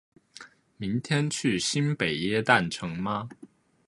明天去新北耶诞城吗？